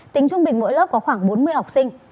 tính trung bình mỗi lớp có khoảng bốn mươi học sinh